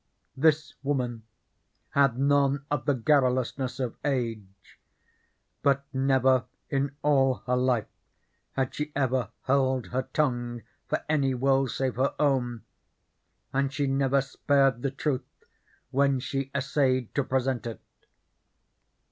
This woman had none of the garrulousness of age, but never in all her life had she ever held her tongue for any will save her own, and she never spared the truth when she essayed to present it.